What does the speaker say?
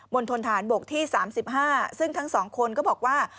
ณฑนฐานบกที่๓๕ซึ่งทั้ง๒คนก็บอกว่า